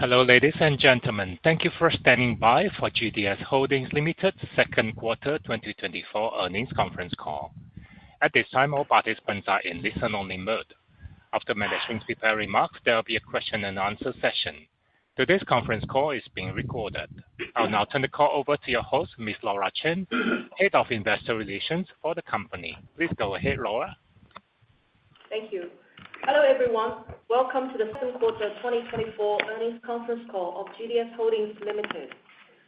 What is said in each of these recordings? Hello, ladies and gentlemen. Thank you for standing by for GDS Holdings Limited Second Quarter 2024 Earnings Conference Call. At this time, all participants are in listen-only mode. After management prepared remarks, there will be a question and answer session. Today's conference call is being recorded. I'll now turn the call over to your host, Ms. Laura Chen, Head of Investor Relations for the company. Please go ahead, Laura. Thank you. Hello, everyone. Welcome to the Second Quarter 2024 Earnings Conference Call of GDS Holdings Limited.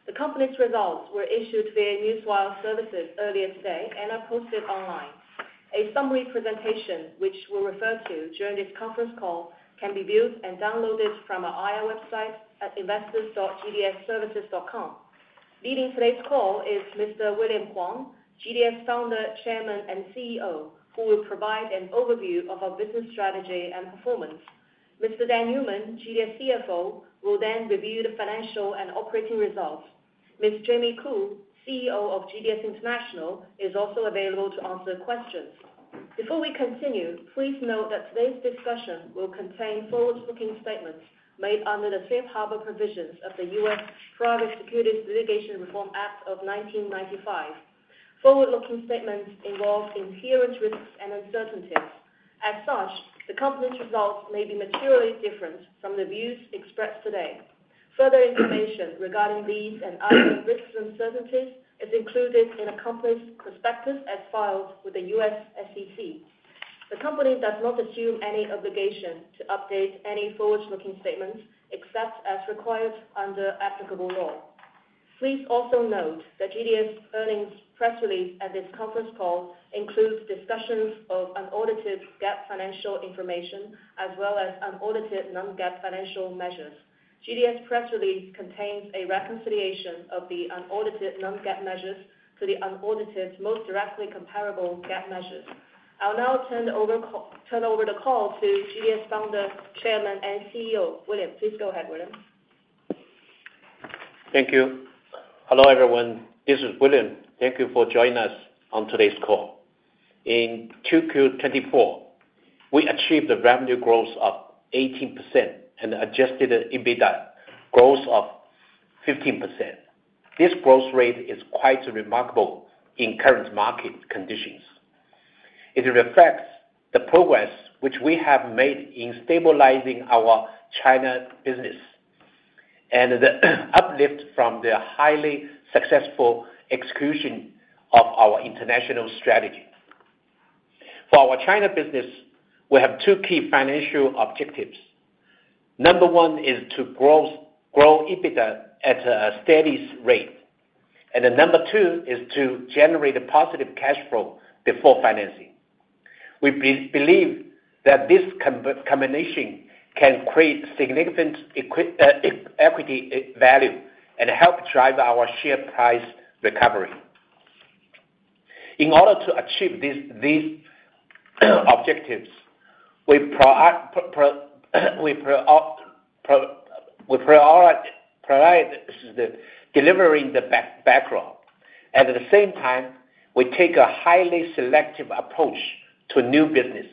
The company's results were issued via Newswire services earlier today and are posted online. A summary presentation, which we'll refer to during this conference call, can be viewed and downloaded from our IR website at investors.gds-services.com. Leading today's call is Mr. William Huang, GDS Founder, Chairman, and CEO, who will provide an overview of our business strategy and performance. Mr. Dan Newman, GDS CFO, will then review the financial and operating results. Ms. Jamie Khoo, CEO of GDS International, is also available to answer questions. Before we continue, please note that today's discussion will contain forward-looking statements made under the Safe Harbor Provisions of the U.S. Private Securities Litigation Reform Act of 1995. Forward-looking statements involve inherent risks and uncertainties. As such, the company's results may be materially different from the views expressed today. Further information regarding these and other risks and uncertainties is included in a company's prospectus as filed with the US SEC. The company does not assume any obligation to update any forward-looking statements, except as required under applicable law. Please also note that GDS earnings press release at this conference call includes discussions of unaudited GAAP financial information, as well as unaudited non-GAAP financial measures. GDS press release contains a reconciliation of the unaudited non-GAAP measures to the unaudited, most directly comparable GAAP measures. I'll now turn over the call to GDS Founder, Chairman, and CEO, William. Please go ahead, William. Thank you. Hello, everyone. This is William. Thank you for joining us on today's call. In 2Q 2024, we achieved a revenue growth of 18% and Adjusted EBITDA growth of 15%. This growth rate is quite remarkable in current market conditions. It reflects the progress which we have made in stabilizing our China business and the uplift from the highly successful execution of our international strategy. For our China business, we have two key financial objectives. Number one is to grow EBITDA at a steady rate, and then number two is to generate a positive cash flow before financing. We believe that this combination can create significant equity value, and help drive our share price recovery. In order to achieve these objectives, we prioritize delivering the backlog. At the same time, we take a highly selective approach to new business,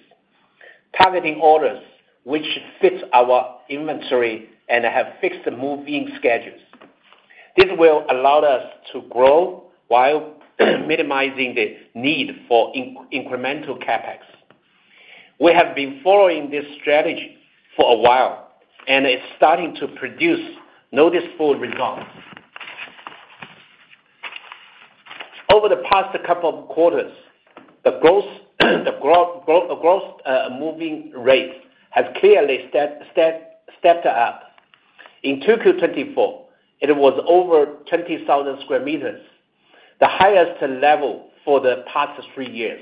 targeting orders which fits our inventory and have fixed move-in schedules. This will allow us to grow while minimizing the need for incremental CapEx. We have been following this strategy for a while, and it's starting to produce noticeable results. Over the past couple of quarters, the gross move-in rate has clearly stepped up. In 2Q 2024, it was over 20,000 square meters, the highest level for the past three years.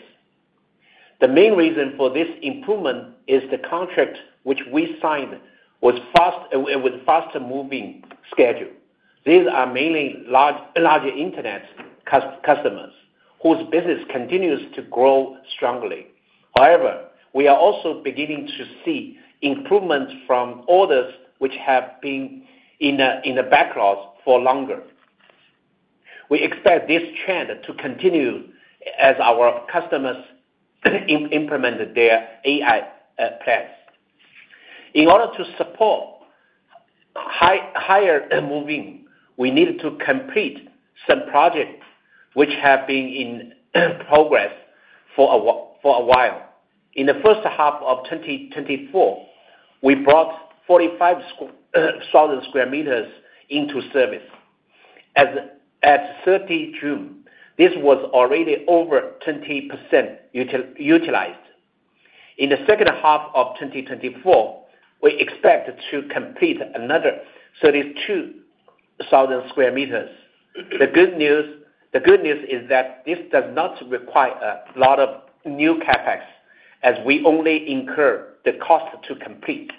The main reason for this improvement is the contracts which we signed with faster-moving schedules. These are mainly larger internet customers whose business continues to grow strongly. However, we are also beginning to see improvements from orders which have been in the backlogs for longer. We expect this trend to continue as our customers implement their AI plans. In order to support higher move-in, we need to complete some projects which have been in progress for a while. In the first half of 2024, we brought 45,000 square meters into service. At June 30th, this was already over 20% utilized. In the second half of 2024, we expect to complete another 32,000 square meters. The good news is that this does not require a lot of new CapEx, as we only incur the cost to complete.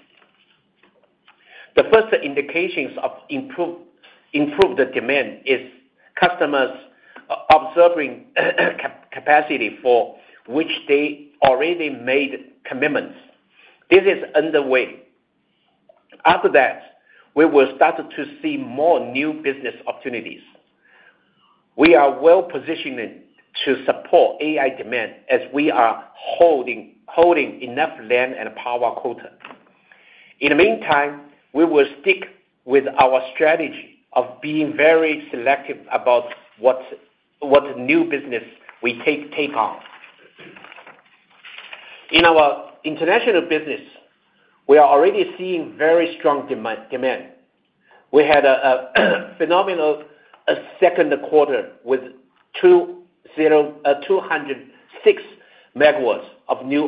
The first indications of improved demand is customers observing capacity for which they already made commitments. This is underway. After that, we will start to see more new business opportunities... We are well positioned to support AI demand as we are holding enough land and power quota. In the meantime, we will stick with our strategy of being very selective about what new business we take on. In our international business, we are already seeing very strong demand. We had a phenomenal second quarter with 206 MW of new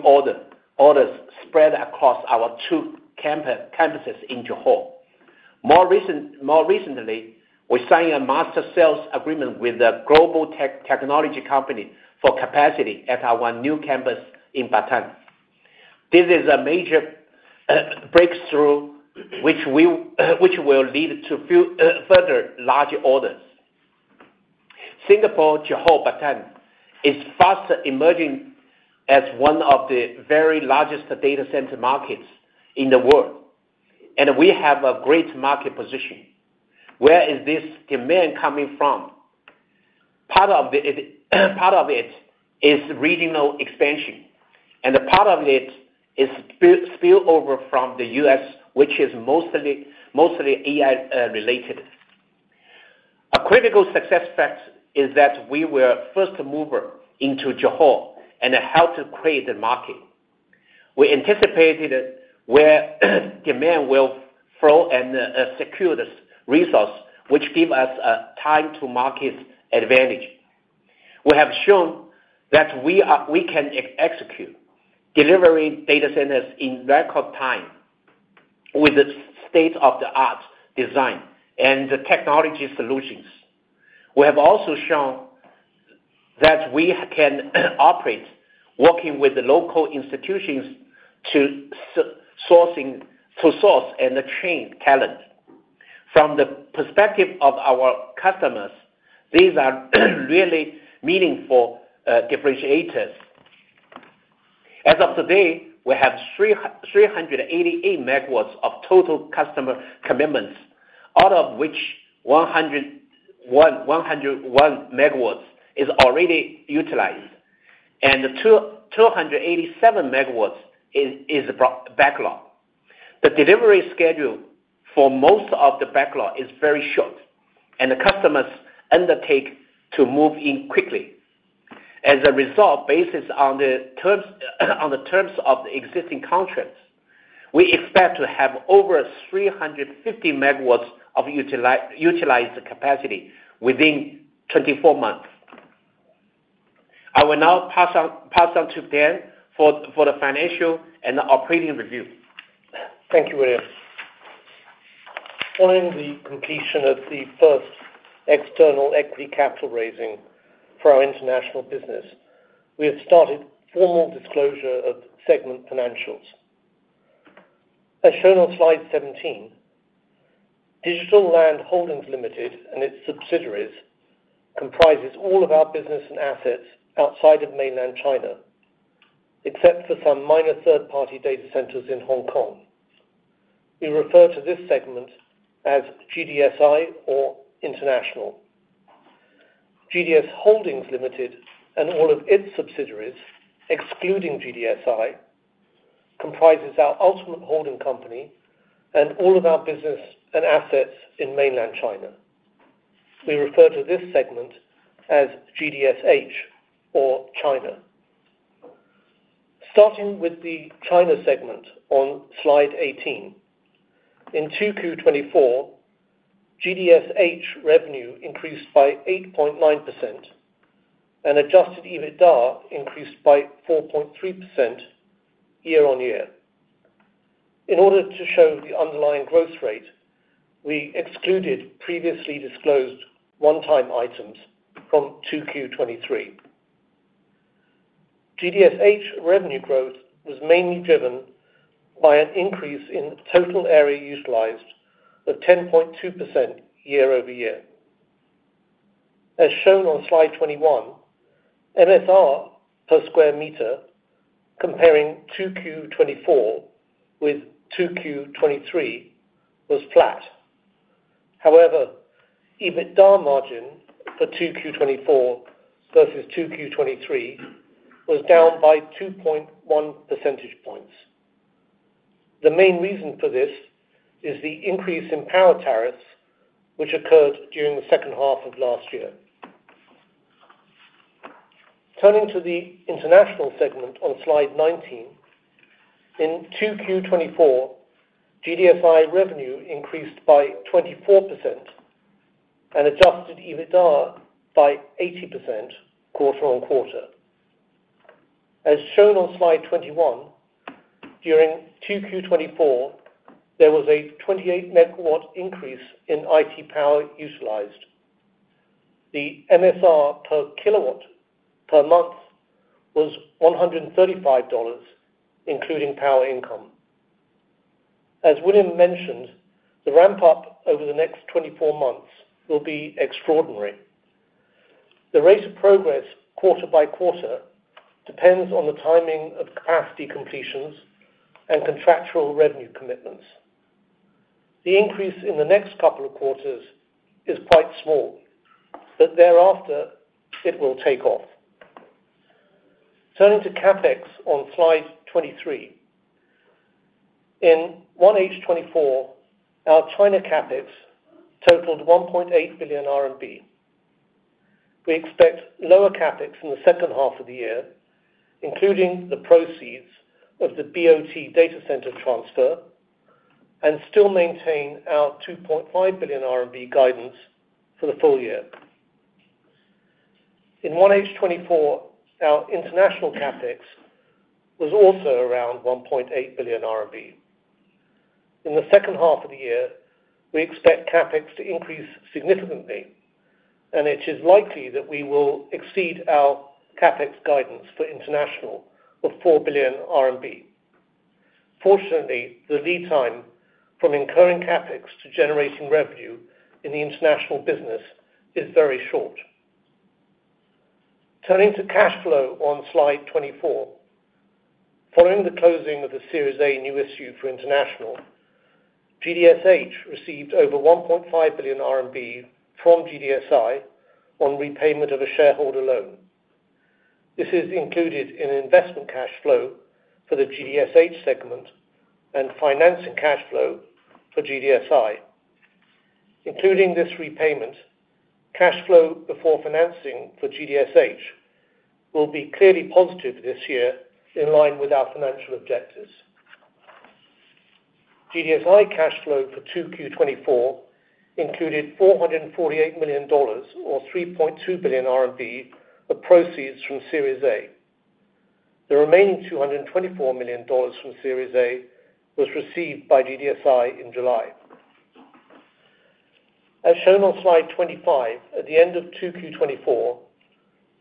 orders spread across our two campuses in Johor. More recently, we signed a master sales agreement with a global technology company for capacity at our new campus in Batam. This is a major breakthrough, which will lead to further larger orders. Singapore, Johor, Batam, is fast emerging as one of the very largest data center markets in the world, and we have a great market position. Where is this demand coming from? Part of it is regional expansion, and a part of it is spillover from the U.S., which is mostly AI related. A critical success factor is that we were first mover into Johor and helped to create the market. We anticipated where demand will flow and secure the resource, which give us a time to market advantage. We have shown that we can execute, delivering data centers in record time with the state-of-the-art design and the technology solutions. We have also shown that we can operate, working with the local institutions to source and train talent. From the perspective of our customers, these are really meaningful differentiators. As of today, we have 388 MW of total customer commitments, out of which 101 MW is already utilized, and 287 MW is backlog. The delivery schedule for most of the backlog is very short, and the customers undertake to move in quickly. As a result, based on the terms of the existing contracts, we expect to have over 350 MW of utilized capacity within 24 months. I will now pass on to Dan for the financial and operating review. Thank you, William. Following the completion of the first external equity capital raising for our international business, we have started formal disclosure of segment financials. As shown on slide 17, DigitalLand Holdings Limited and its subsidiaries comprises all of our business and assets outside of mainland China, except for some minor third-party data centers in Hong Kong. We refer to this segment as GDSI or International. GDS Holdings Limited and all of its subsidiaries, excluding GDSI, comprises our ultimate holding company and all of our business and assets in mainland China. We refer to this segment as GDSH or China. Starting with the China segment on slide 18, in 2Q 2024, GDSH revenue increased by 8.9%, and Adjusted EBITDA increased by 4.3% year-on-year. In order to show the underlying growth rate, we excluded previously disclosed one-time items from 2Q 2023. GDSH revenue growth was mainly driven by an increase in total area utilized of 10.2% year over year. As shown on slide 21, MSR per square meter, comparing 2Q 2024 with 2Q 2023, was flat. However, EBITDA margin for 2Q 2024 versus 2Q 2023 was down by 2.1 percentage points. The main reason for this is the increase in power tariffs, which occurred during the second half of last year. Turning to the international segment on slide 19, in 2Q 2024, GDSI revenue increased by 24% and adjusted EBITDA by 80% quarter on quarter. As shown on slide 21, during 2Q 2024, there was a 28 MW increase in IT power utilized. The MSR per kilowatt per month was $135, including power income. As William mentioned, the ramp-up over the next 24 months will be extraordinary. The rate of progress, quarter by quarter, depends on the timing of capacity completions and contractual revenue commitments. The increase in the next couple of quarters is quite small, but thereafter, it will take off. Turning to CapEx on slide 23. In 1H 2024, our China CapEx totaled 1.8 billion RMB. We expect lower CapEx in the second half of the year, including the proceeds of the BOT data center transfer, and still maintain our 2.5 billion RMB guidance for the full year. In 1H 2024, our international CapEx was also around 1.8 billion RMB. In the second half of the year, we expect CapEx to increase significantly, and it is likely that we will exceed our CapEx guidance for international of 4 billion RMB. Fortunately, the lead time from incurring CapEx to generating revenue in the international business is very short. Turning to cash flow on slide 24. Following the closing of the Series A new issue for international, GDSH received over 1.5 billion RMB from GDSI on repayment of a shareholder loan. This is included in investment cash flow for the GDSH segment and financing cash flow for GDSI. Including this repayment, cash flow before financing for GDSH will be clearly positive this year, in line with our financial objectives. GDSI cash flow for 2Q 2024 included $448 million, or 3.2 billion RMB, of proceeds from Series A. The remaining $224 million from Series A was received by GDSI in July. As shown on slide 25, at the end of 2Q 2024,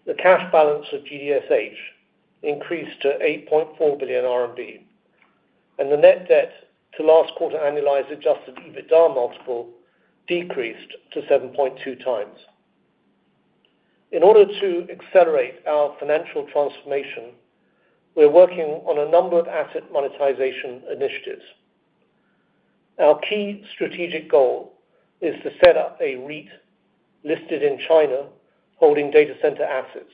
the cash balance of GDSH increased to 8.4 billion RMB, and the net debt to last quarter annualized Adjusted EBITDA multiple decreased to 7.2 times. In order to accelerate our financial transformation, we're working on a number of asset monetization initiatives. Our key strategic goal is to set up a REIT listed in China, holding data center assets.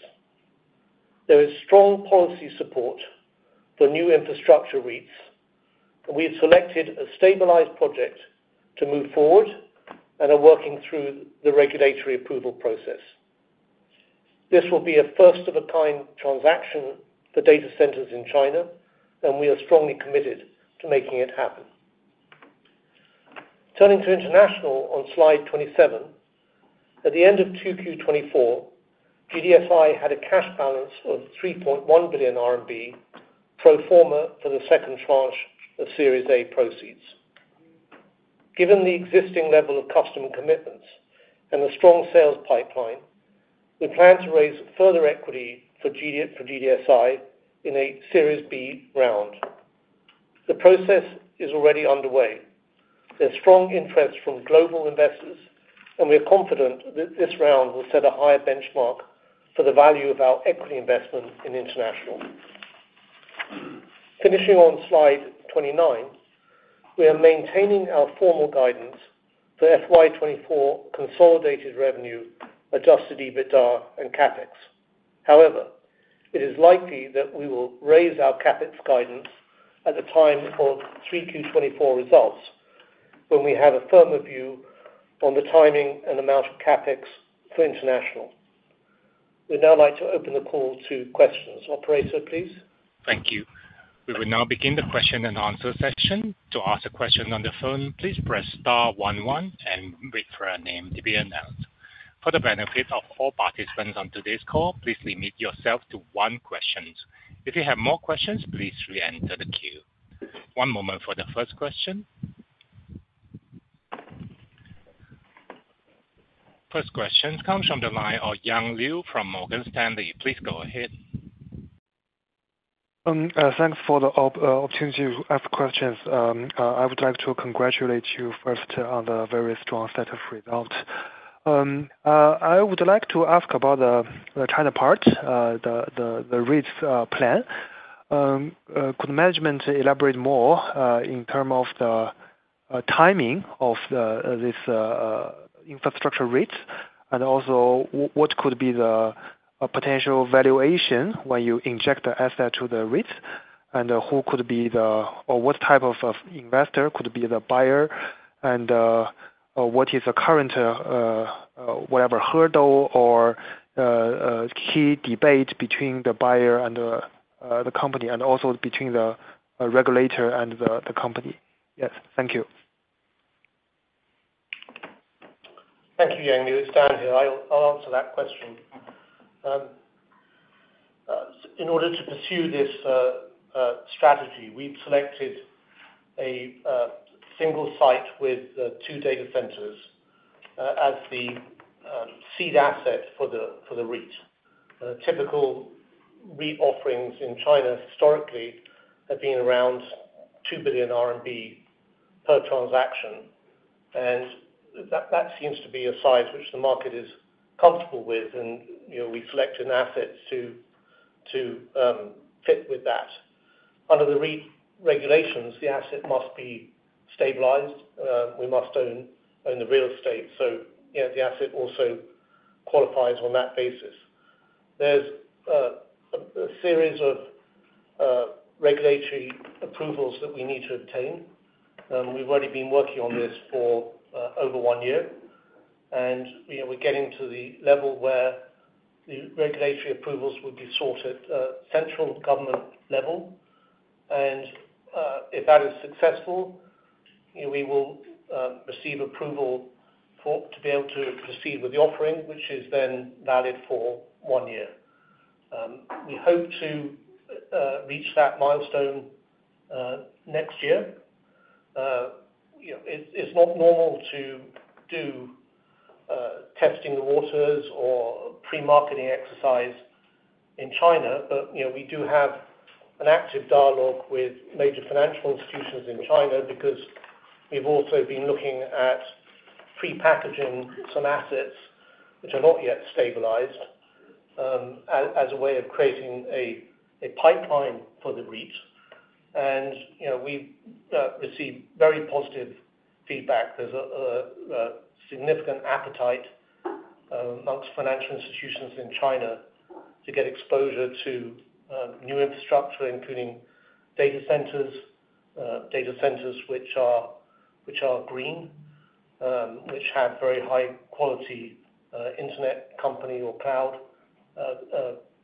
There is strong policy support for new infrastructure REITs, and we have selected a stabilized project to move forward and are working through the regulatory approval process. This will be a first of a kind transaction for data centers in China, and we are strongly committed to making it happen. Turning to international on slide 27. At the end of 2Q 2024, GDSI had a cash balance of 3.1 billion RMB, pro forma for the second tranche of Series A proceeds. Given the existing level of customer commitments and the strong sales pipeline, we plan to raise further equity for GDSI in a Series B round. The process is already underway. There's strong interest from global investors, and we are confident that this round will set a higher benchmark for the value of our equity investment in international. Finishing on slide 29, we are maintaining our formal guidance for FY 2024 consolidated revenue, adjusted EBITDA and CapEx. However, it is likely that we will raise our CapEx guidance at the time of 3Q 2024 results, when we have a firmer view on the timing and amount of CapEx for international. We'd now like to open the call to questions. Operator, please? Thank you. We will now begin the question and answer session. To ask a question on the phone, please press star one one and wait for your name to be announced. For the benefit of all participants on today's call, please limit yourself to one question. If you have more questions, please reenter the queue. One moment for the first question. First question comes from the line of Yang Liu from Morgan Stanley. Please go ahead. Thanks for the opportunity to ask questions. I would like to congratulate you first on the very strong set of results. I would like to ask about the China part, the REITs plan. Could management elaborate more in terms of the timing of this infrastructure REIT? And also what could be the potential valuation when you inject the asset to the REIT, and who could be the... or what type of investor could be the buyer? And what is the current whatever hurdle or key debate between the buyer and the company, and also between the regulator and the company? Yes, thank you. Thank you, Yang Liu. It's Daniel. I'll answer that question. In order to pursue this strategy, we've selected a single site with two data centers as the seed asset for the REIT. Typical REIT offerings in China historically have been around 2 billion RMB per transaction, and that seems to be a size which the market is comfortable with, and you know, we've selected assets to fit with that. Under the new regulations, the asset must be stabilized. We must own the real estate. So, you know, the asset also qualifies on that basis. There's a series of regulatory approvals that we need to obtain, and we've already been working on this for over one year. And, you know, we're getting to the level where the regulatory approvals will be sought at central government level. And if that is successful, we will receive approval for to be able to proceed with the offering, which is then valid for one year. We hope to reach that milestone next year. You know, it's not normal to do testing the waters or pre-marketing exercise in China, but, you know, we do have an active dialogue with major financial institutions in China, because we've also been looking at pre-packaging some assets which are not yet stabilized, as a way of creating a pipeline for the REIT. And, you know, we've received very positive feedback. There's a significant appetite among financial institutions in China to get exposure to new infrastructure, including data centers, which are green, which have very high quality internet company or cloud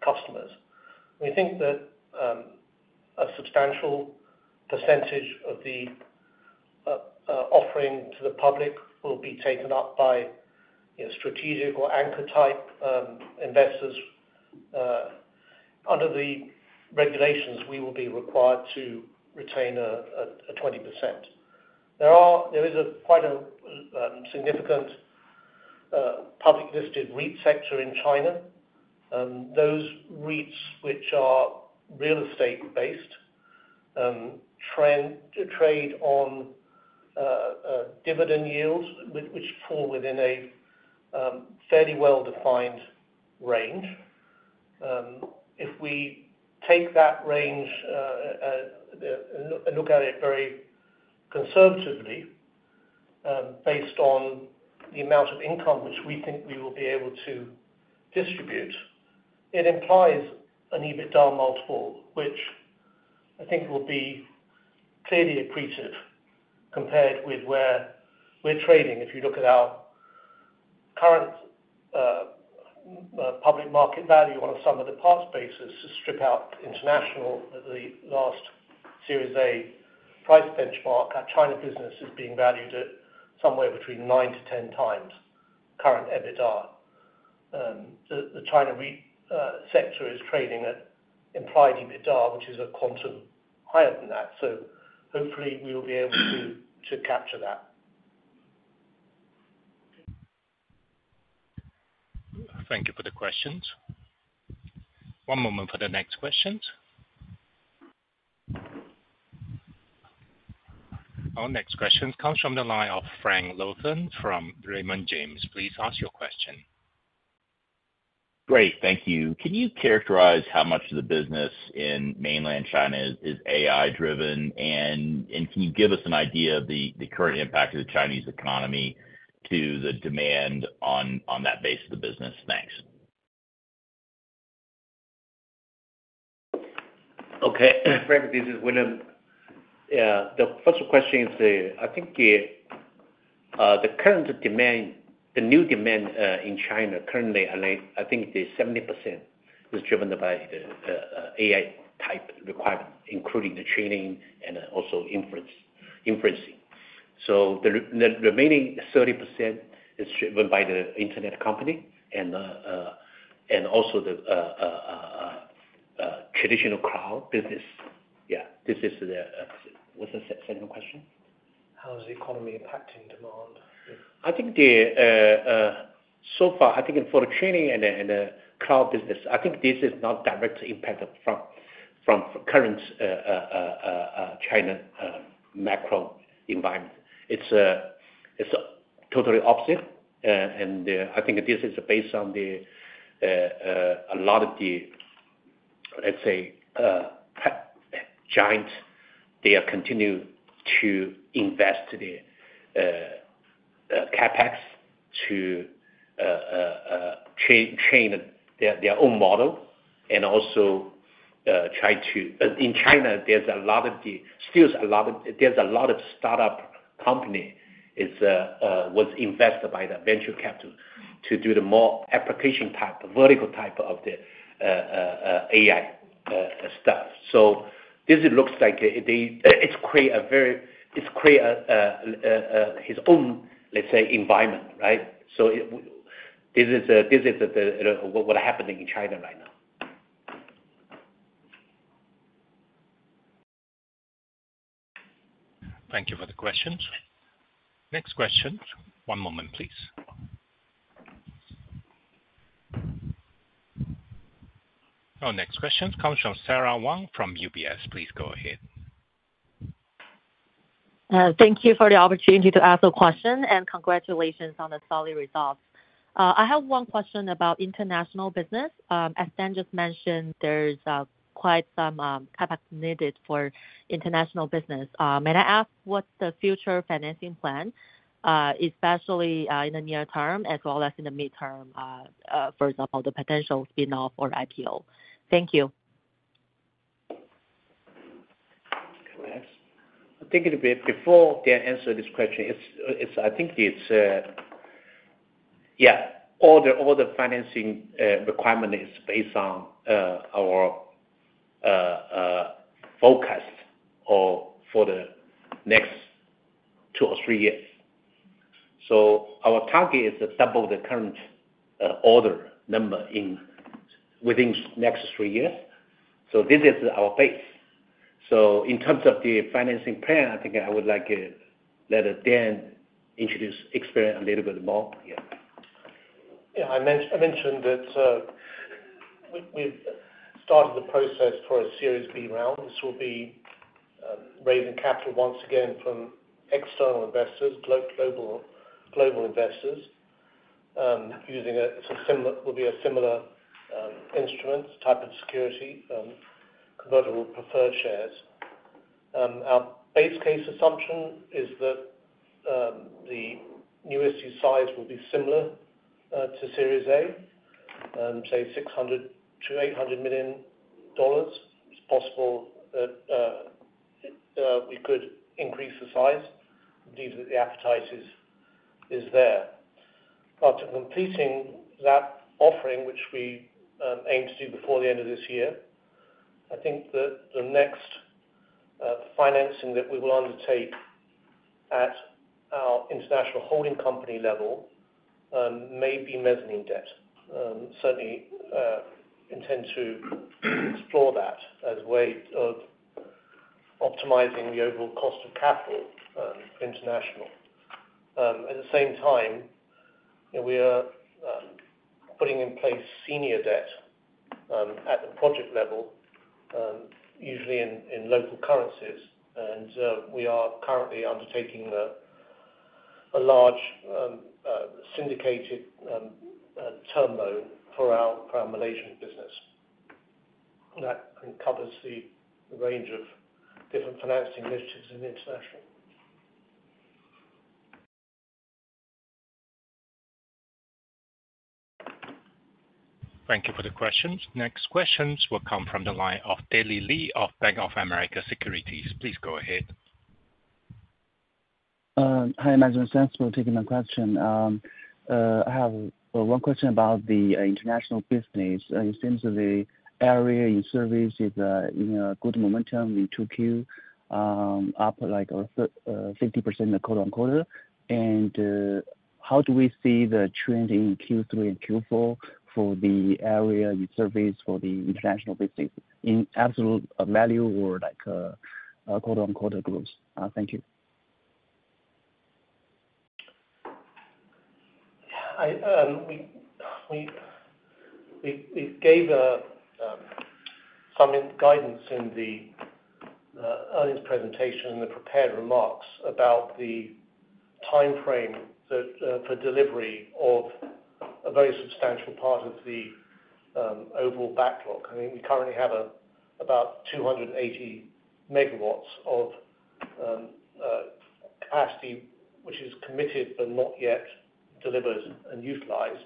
customers. We think that a substantial percentage of the offering to the public will be taken up by, you know, strategic or anchor type investors. Under the regulations, we will be required to retain a 20%. There is quite a significant public listed REIT sector in China. Those REITs which are real estate based trade on dividend yields, which fall within a fairly well-defined range. If we take that range and look at it very conservatively, based on the amount of income which we think we will be able to distribute, it implies an EBITDA multiple, which I think will be clearly accretive compared with where we're trading. If you look at our current public market value on a sum of the parts basis to strip out international at the last Series A price benchmark, our China business is being valued at somewhere between nine-to-ten times current EBITDA. The China REIT sector is trading at implied EBITDA, which is a quantum higher than that, so hopefully we will be able to capture that. Thank you for the questions. One moment for the next questions. Our next question comes from the line of Frank Louthan from Raymond James. Please ask your question. Great, thank you. Can you characterize how much of the business in mainland China is AI driven? And can you give us an idea of the current impact of the Chinese economy to the demand on that base of the business? Thanks. Okay. Frank, this is William. The first question is, I think, the current demand, the new demand, in China currently, I think, is 70% is driven by the AI type requirement, including the training and also inference, inferencing. So the remaining 30% is driven by the internet company and also the traditional cloud business. Yeah, this is the... What's the second question? How is the economy impacting demand? I think so far, I think for the training and the cloud business, I think this is not directly impacted from current China macro environment. It's totally opposite. And I think this is based on a lot of the, let's say, tech giants, they are continuing to invest the CapEx to train their own model and also try to in China, there's a lot of startup company is was invested by the venture capital to do the more application type, vertical type of the AI stuff. So this looks like the, it's create a very its own, let's say, environment, right? So it, this is the what happening in China right now. Thank you for the questions. Next question. One moment, please. Our next question comes from Sara Wang from UBS. Please go ahead.... Thank you for the opportunity to ask a question, and congratulations on the solid results. I have one question about international business. As Dan just mentioned, there's quite some capacity needed for international business. May I ask what's the future financing plan, especially in the near term as well as in the midterm, for example, the potential spin-off or IPO? Thank you. Go ahead. I think it'll be before Dan answer this question. It's, I think it's, yeah, all the financing requirement is based on our forecast for the next two or three years. So our target is to double the current order number within next three years. So this is our base. So in terms of the financing plan, I think I would like let Dan introduce explain a little bit more. Yeah. Yeah, I mentioned that, we've started the process for a Series B round. This will be raising capital once again from external investors, global investors, using a similar, will be a similar instrument type of security, convertible preferred shares. Our base case assumption is that the new issue size will be similar to Series A, say $600 million-$800 million. It's possible that we could increase the size, indeed, the appetite is there. Completing that offering, which we aim to do before the end of this year, I think that the next financing that we will undertake at our international holding company level may be mezzanine debt. Certainly, intend to explore that as a way of optimizing the overall cost of capital, international. At the same time, we are putting in place senior debt at the project level, usually in local currencies. And we are currently undertaking a large syndicated term loan for our Malaysian business. That covers the range of different financing initiatives in international. Thank you for the questions. Next questions will come from the line of Daley Li of Bank of America Securities. Please go ahead. Hi, management. Thanks for taking my question. I have one question about the international business. It seems the ITR in service is in a good momentum in 2Q, up like 50% quarter on quarter. How do we see the trend in Q3 and Q4 for the ITR in service for the international business in absolute value or like quarter on quarter growth? Thank you. We gave some guidance in the earnings presentation, in the prepared remarks about the timeframe for delivery of a very substantial part of the overall backlog. I mean, we currently have about 280 MW of capacity, which is committed but not yet delivered and utilized.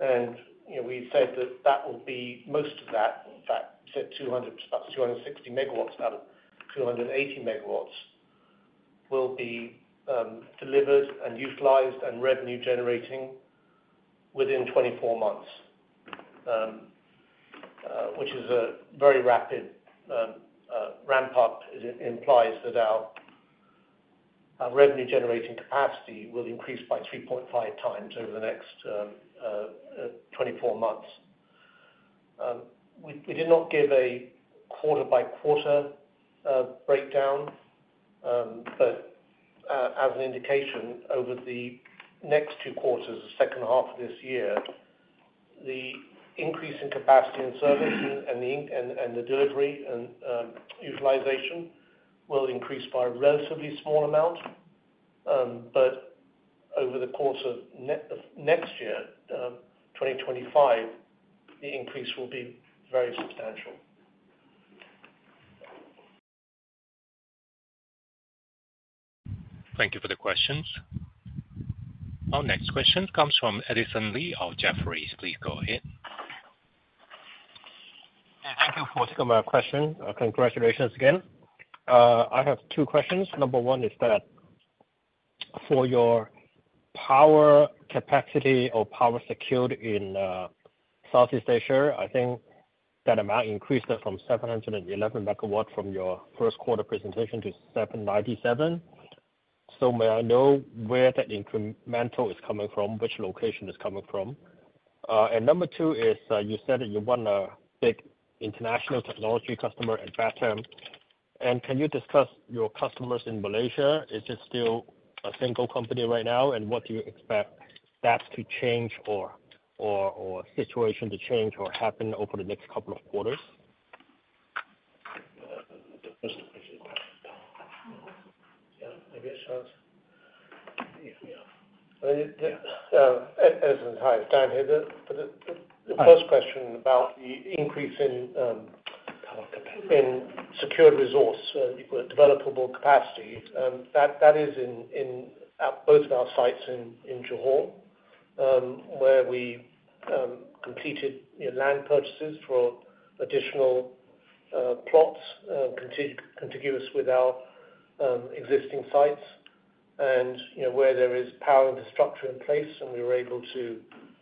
You know, we said that that will be most of that, in fact, said 200, about 260 MW out of 280 MW, will be delivered and utilized and revenue generating within 24 months. Which is a very rapid ramp up, as it implies that our revenue generating capacity will increase by 3.5 times over the next 24 months. We did not give a quarter by quarter breakdown, but as an indication, over the next two quarters, the second half of this year, the increase in capacity and service and the delivery and utilization will increase by a relatively small amount, but over the course of next year, 2025, the increase will be very substantial. Thank you for the questions. Our next question comes from Edison Lee of Jefferies. Please go ahead. Thank you for taking my question. Congratulations again. I have two questions. Number one is that for your power capacity or power secured in Southeast Asia, I think that amount increased from 711 MW from your first quarter presentation to 797. So may I know where the incremental is coming from, which location it's coming from? And number two is, you said that you want a big international technology customer at Batam, and can you discuss your customers in Malaysia? Is it still a single company right now, and what do you expect that to change or situation to change or happen over the next couple of quarters? Edison, hi, Dan here. The first question about the increase in secured resource developable capacity that is at both of our sites in Johor where we completed the land purchases for additional plots contiguous with our existing sites. And you know, where there is power infrastructure in place, and we were able to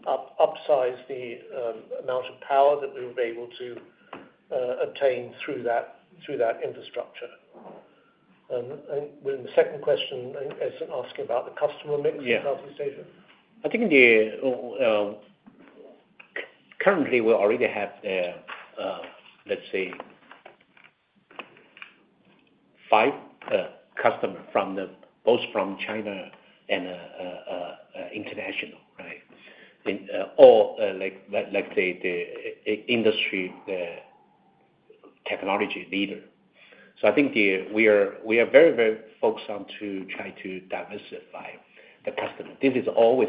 upsize the amount of power that we were able to obtain through that infrastructure. And then the second question, I think Edison asking about the customer mix- Yeah. In Southeast Asia? I think currently we already have, let's say, five customer from both China and international, right? Or like, say, the industry, the technology leader. So I think we are very focused on to try to diversify the customer. This is always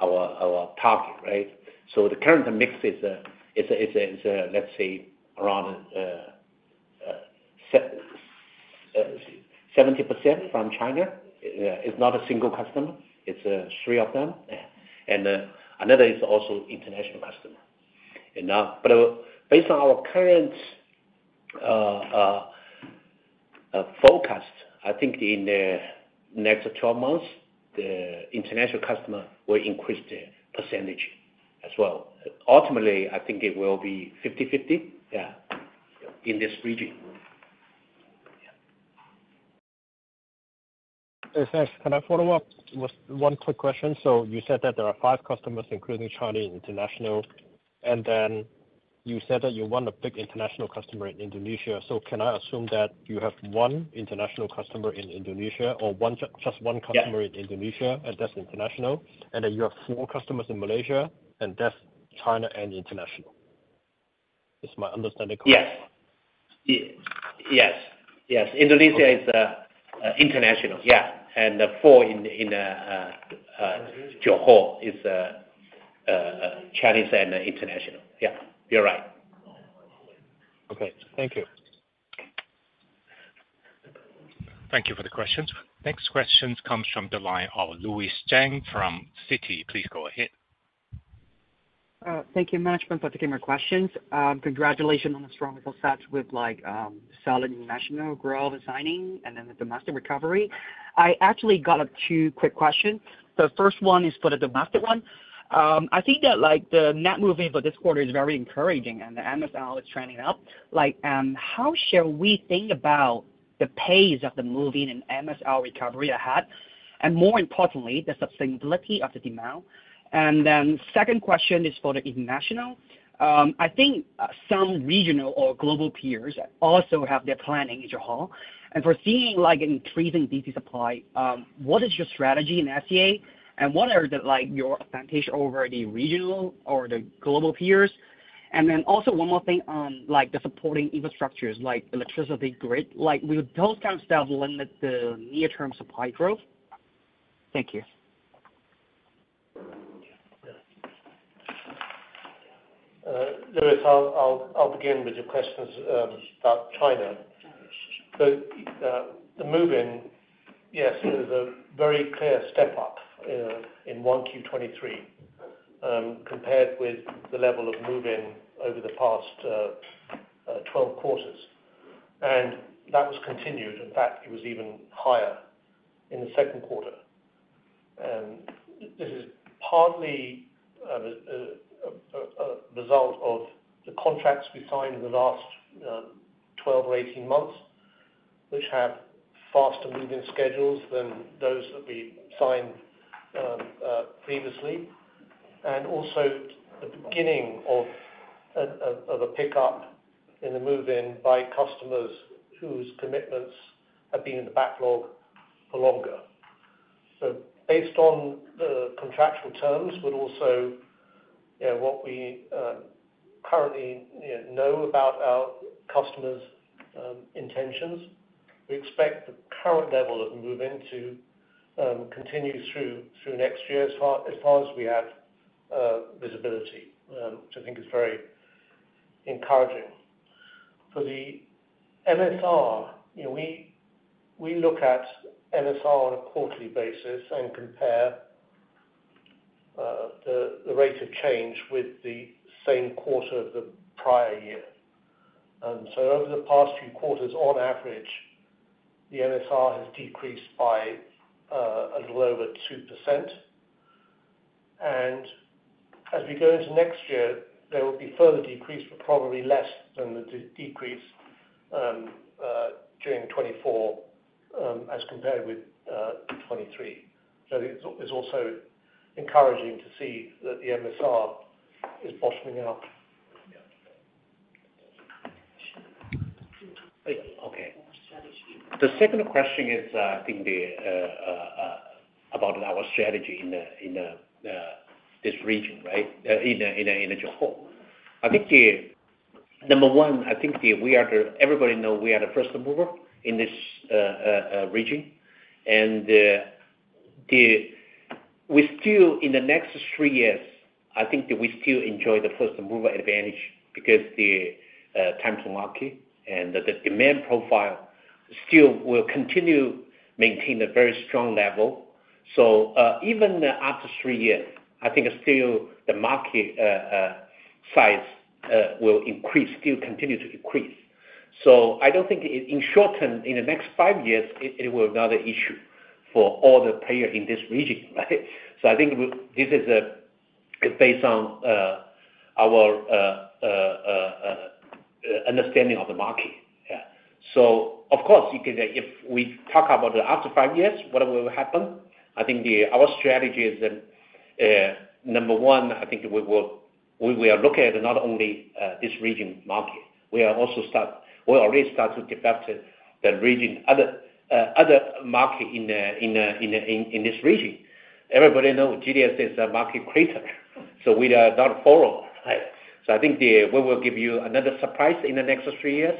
our target, right? So the current mix is a, let's say around 70% from China. It's not a single customer, it's three of them. And another is also international customer. But based on our current forecast, I think in the next twelve months, the international customer will increase the percentage as well. Ultimately, I think it will be fifty/fifty, yeah, in this region. Hey, thanks. Can I follow up with one quick question? So you said that there are five customers, including China International, and then you said that you want a big international customer in Indonesia. So can I assume that you have one international customer in Indonesia or just one customer- Yeah. In Indonesia, and that's international? And then you have four customers in Malaysia, and that's China and international. Is my understanding correct? Yes. Yes, yes. Okay. Indonesia is international, yeah. And the four in Johor is Chinese and international. Yeah, you're right. Okay, thank you. Thank you for the questions. Next questions comes from the line of Luis Zheng from Citi. Please go ahead. Thank you, management, for taking my questions. Congratulations on the strong results with, like, solid national growth signing and then the domestic recovery. I actually got two quick questions. The first one is for the domestic one. I think that, like, the net move-in for this quarter is very encouraging, and the MSR is trending up. Like, how should we think about the pace of the move-in and MSR recovery ahead, and more importantly, the sustainability of the demand? And then second question is for the international. I think some regional or global peers also have their planning in Johor, and we're seeing, like, an increasing DC supply. What is your strategy in SEA, and what are the, like, your advantage over the regional or the global peers? Also one more thing on, like, the supporting infrastructures, like electricity grid, like, will those kind of stuff limit the near-term supply growth? Thank you. Luis, I'll begin with your questions about China. The move-in, yes, it is a very clear step up in 1Q23 compared with the level of move-in over the past 12 quarters. And that was continued, in fact, it was even higher in the second quarter. This is partly a result of the contracts we signed in the last 12 or 18 months, which have faster move-in schedules than those that we signed previously. And also the beginning of a pickup in the move-in by customers whose commitments have been in the backlog for longer. So based on the contractual terms, but also, you know, what we currently know about our customers' intentions, we expect the current level of move-in to continue through next year as far as we have visibility, which I think is very encouraging. For the MSR, you know, we look at MSR on a quarterly basis and compare the rate of change with the same quarter of the prior year. And so over the past few quarters, on average, the MSR has decreased by a little over 2%. And as we go into next year, there will be further decrease, but probably less than the decrease during 2024 as compared with 2023. So it's also encouraging to see that the MSR is bottoming out.... Okay. The second question is, I think about our strategy in this region, right? In Johor. I think number one, we are the first mover in this region. Everybody know we are the first mover in this region. And we still in the next three years, I think that we still enjoy the first mover advantage because the time to market and the demand profile still will continue maintain a very strong level. So even after three years, I think still the market size will increase, still continue to increase. So I don't think in short term, in the next five years, it will not an issue for all the player in this region, right? So I think this is based on our understanding of the market. Yeah. So of course, you can, if we talk about after five years, what will happen? I think our strategy is that, number one, I think we will, we are looking at not only this region market. We are also already start to look at the region, other market in this region. Everybody know GDS is a market creator, so we are not follow, right? So I think we will give you another surprise in the next three years.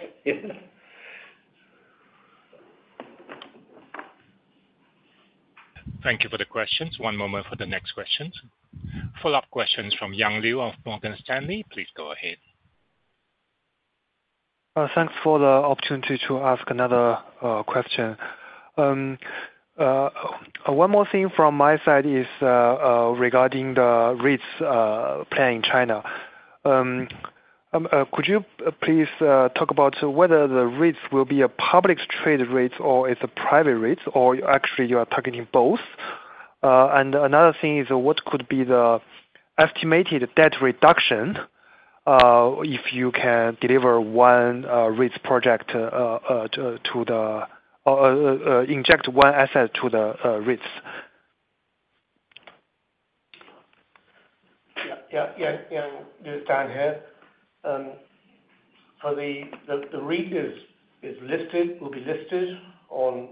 Thank you for the questions. One moment for the next questions. Follow-up questions from Yang Liu of Morgan Stanley. Please go ahead. Thanks for the opportunity to ask another question. One more thing from my side is regarding the REITs play in China. Could you please talk about whether the REITs will be a public traded REIT or it's a private REIT, or actually you are targeting both? And another thing is, what could be the estimated debt reduction if you can deliver one REIT project to the REITs to inject one asset to the REITs? Yeah, yeah, yeah, Yang. It's Dan here. So the REIT is listed, will be listed on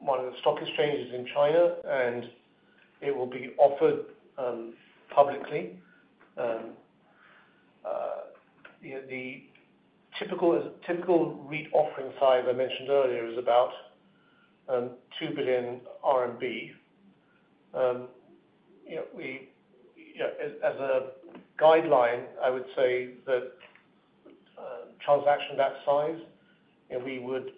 one of the stock exchanges in China, and it will be offered publicly. You know, the typical REIT offering size I mentioned earlier is about 2 billion RMB. You know, we, as a guideline, I would say that transaction that size, you know, we would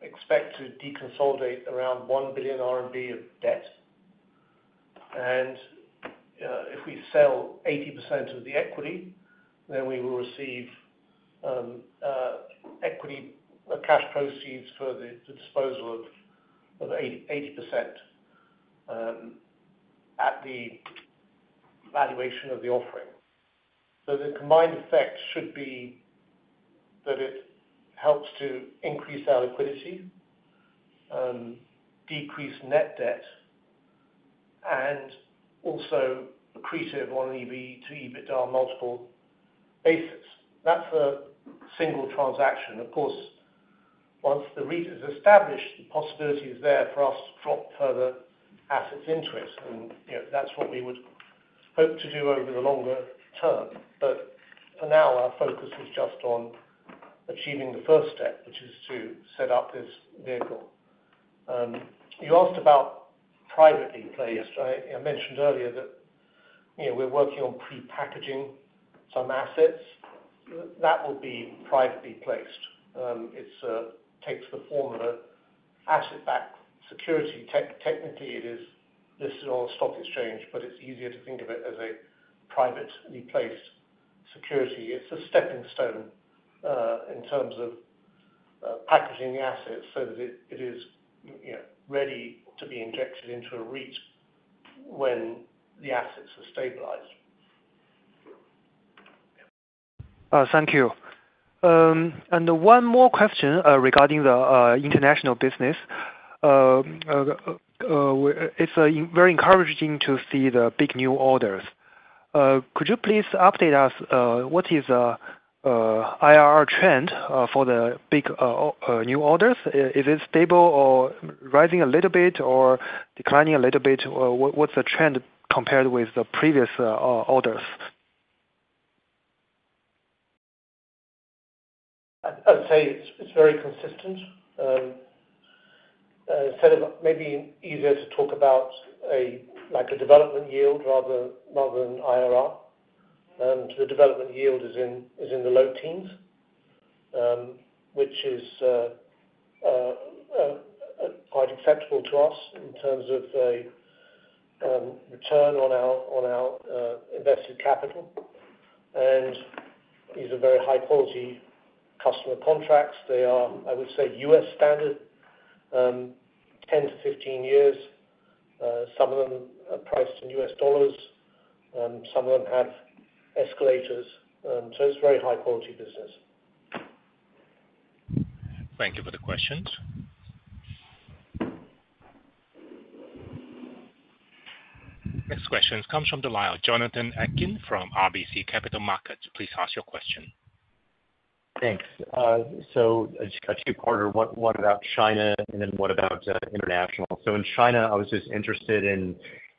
expect to deconsolidate around 1 billion RMB of debt. And if we sell 80% of the equity, then we will receive equity cash proceeds for the disposal of 80%, at the valuation of the offering. So the combined effect should be that it helps to increase our liquidity, decrease net debt, and also accretive on an EV to EBITDA multiple basis. That's a single transaction. Of course, once the REIT is established, the possibility is there for us to drop further assets into it, and, you know, that's what we would hope to do over the longer term. But for now, our focus is just on achieving the first step, which is to set up this vehicle. You asked about privately placed, right? I mentioned earlier that, you know, we're working on prepackaging some assets. That will be privately placed. It takes the form of an asset-backed security. Technically, it is listed on a stock exchange, but it's easier to think of it as a privately placed security. It's a stepping stone in terms of packaging the assets so that it is, you know, ready to be injected into a REIT when the assets are stabilized. Thank you. And one more question regarding the international business. It's very encouraging to see the big new orders. Could you please update us what is IRR trend for the big new orders? Is it stable or rising a little bit, or declining a little bit? Or what, what's the trend compared with the previous orders? I'd say it's very consistent. Instead, maybe it's easier to talk about, like, a development yield rather than IRR. The development yield is in the low teens, which is quite acceptable to us in terms of a return on our invested capital. These are very high-quality customer contracts. They are, I would say, U.S. standard 10-15 years. Some of them are priced in U.S. dollars, and some of them have escalators. So it's very high-quality business. Thank you for the questions. Next question comes from the line of Jonathan Atkin from RBC Capital Markets. Please ask your question. Thanks. So just a two-parter. What, what about China? And then what about international? So in China, I was just interested in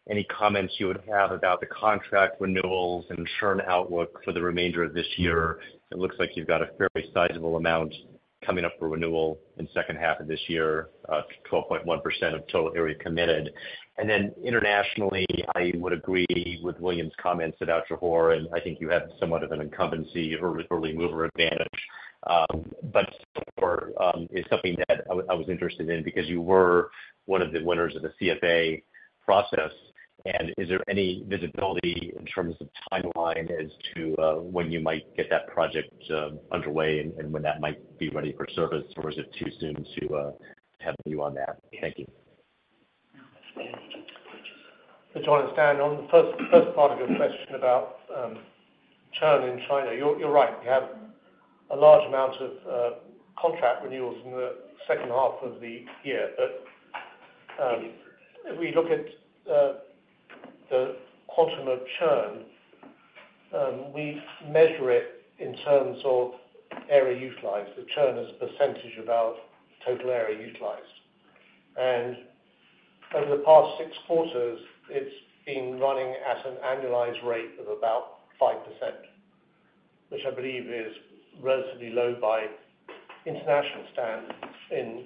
any comments you would have about the contract renewals and churn outlook for the remainder of this year. It looks like you've got a fairly sizable amount coming up for renewal in second half of this year, 12.1% of total area committed. And then internationally, I would agree with William's comments about Johor, and I think you have somewhat of an incumbency or, or early mover advantage. But Johor is something that I was interested in because you were one of the winners of the CFA process. And is there any visibility in terms of timeline as to when you might get that project underway and when that might be ready for service? Or is it too soon to have a view on that? Thank you. To understand, on the first part of your question about churn in China, you're right. We have a large amount of contract renewals in the second half of the year. But if we look at the quantum of churn, we measure it in terms of area utilized, the churn as a percentage of our total area utilized. And over the past six quarters, it's been running at an annualized rate of about 5%, which I believe is relatively low by international standards. In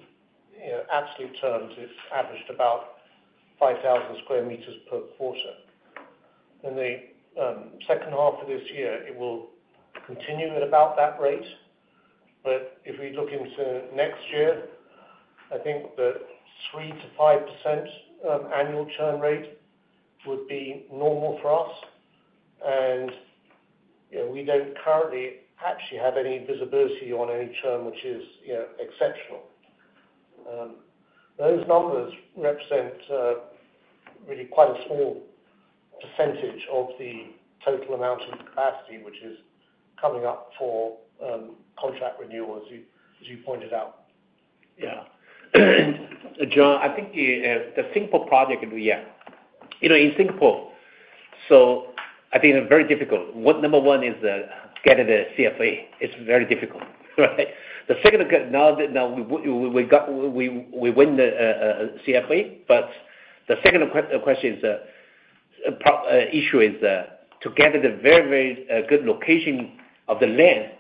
you know, absolute terms, it's averaged about 5,000 square meters per quarter. In the second half of this year, it will continue at about that rate. But if we look into next year, I think the 3%-5% annual churn rate would be normal for us. You know, we don't currently actually have any visibility on any churn, which is, you know, exceptional. Those numbers represent really quite a small percentage of the total amount of capacity, which is coming up for contract renewals, as you pointed out. Yeah. John, I think the Singapore project in a year. You know, in Singapore, so I think it's very difficult. What number one is, getting the CFA, it's very difficult, right? The second, now that we win the CFA, but the second question is, issue is, to get the very, very good location of the land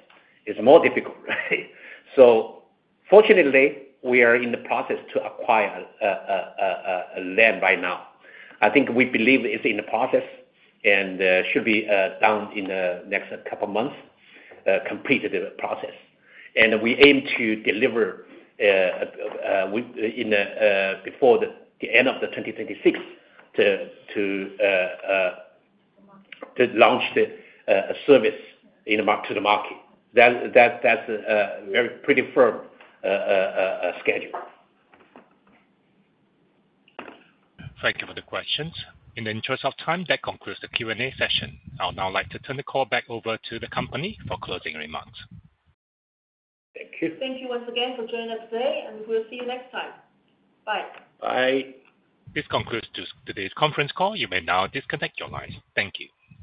is more difficult, right? So fortunately, we are in the process to acquire a land right now. I think we believe it's in the process and should be done in the next couple of months, complete the process. We aim to deliver within, before the end of 2026, to launch the service in the market to the market. That's very pretty firm schedule. Thank you for the questions. In the interest of time, that concludes the Q&A session. I'll now like to turn the call back over to the company for closing remarks. Thank you. Thank you once again for joining us today, and we'll see you next time. Bye. Bye. This concludes today's conference call. You may now disconnect your lines. Thank you.